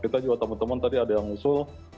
kita juga temen temen tadi ada yang ngusul